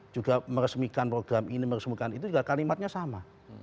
juga meresmikan program ini meresmikan itu juga kalimatnya sama